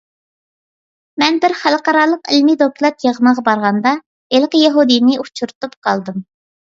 مەن بىر بىر خەلقئارالىق ئىلمىي دوكلات يىغىنىغا بارغاندا، ھېلىقى يەھۇدىينى ئۇچۇرتۇپ قالدىم.